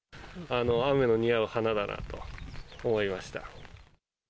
雨の似合う花だなと思いました。